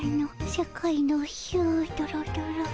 世界のヒュドロドロ。